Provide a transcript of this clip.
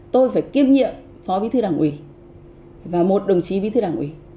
tôi phải kiêm nhiệm phó bí thư đảng ủy và một đồng chí bí thư đảng ủy